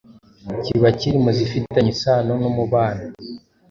kiba kiri mu zifitanye isano n'umubano